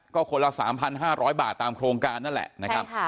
ก็คนละ๓๕๐๐บาทตามโครงการนั่นแหละนะครับ